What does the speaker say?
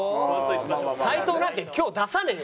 斉藤なんて今日出さねえよ。